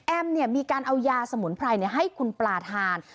แอมเนี่ยมีการเอายาสมุนไพรนะให้คุณปลาทาน